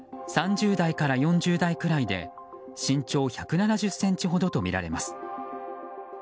３０代から４０代くらいで身長１７０ｃｍほどとみられます。